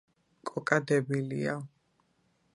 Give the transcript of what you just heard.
კოკა დებილია